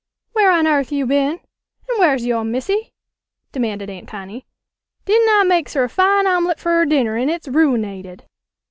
"Whar on airth you been? An' whar's yo' missy?" demanded Aunt Connie. "Didn' I makes her a fine om'lit fer her dinner, an' it's ruinated."